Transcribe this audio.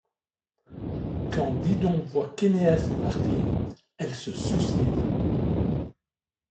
Quand Didon voit qu’Énéas est parti, elle se suicide.